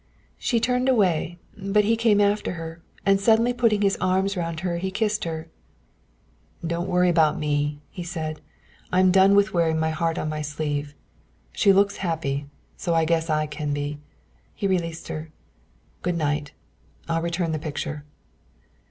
She turned away, but he came after her, and suddenly putting his arms round her he kissed her. "Don't worry about me," he said. "I'm done with wearing my heart on my sleeve. She looks happy, so I guess I can be." He released her. "Good night. I'll return the picture."